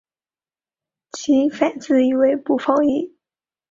其反义字为不放逸。